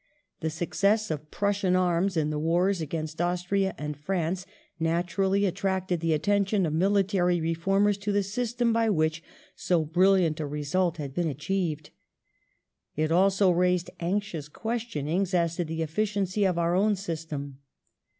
The success of Prussian arms in the wai s against Austria and France naturally attracted the attention of military reformers to the system by which so brilliant a result had been achieved. It also raised anxious questionings as to the efficiency of our own system.